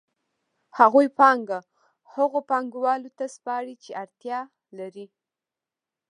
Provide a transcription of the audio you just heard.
هغوی پانګه هغو پانګوالو ته سپاري چې اړتیا لري